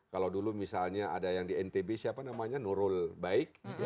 kalau dulu misalnya ada yang di ntb siapa namanya nurul baik